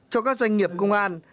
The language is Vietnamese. cho các doanh nghiệp công an